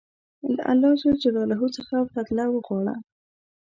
له الله ج څخه بدله وغواړه.